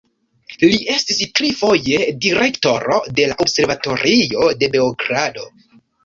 Li estis tri foje direktoro de la Observatorio de Beogrado.